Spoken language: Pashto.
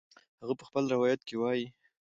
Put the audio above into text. هغه په خپل روایت کې وایي